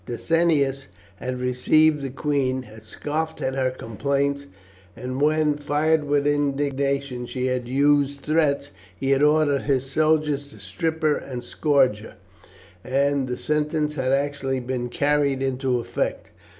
Decianus had received the queen, had scoffed at her complaints, and when, fired with indignation, she had used threats, he had ordered his soldiers to strip and scourge her, and the sentence had actually been carried into effect.